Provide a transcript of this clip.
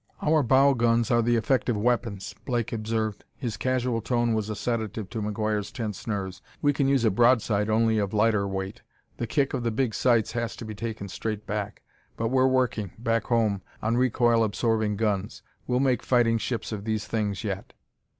"Our bow guns are the effective weapons," Blake observed; his casual tone was a sedative to McGuire's tense nerves. "We can use a broadside only of lighter weight; the kick of the big 'sights' has to be taken straight back. But we're working, back home, on recoil absorbing guns: we'll make fighting ships of these things yet."